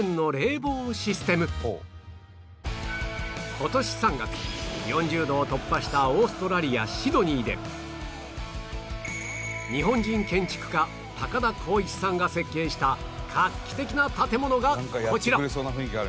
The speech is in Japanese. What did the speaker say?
今年３月４０度を突破したオーストラリアシドニーで日本人建築家田浩一さんが設計した画期的な建物がこちら